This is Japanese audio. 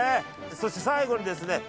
そして最後にですね